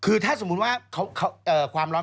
คือถ้าสมมุติว่าความร้อน